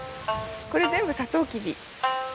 これ全部サトウキビ。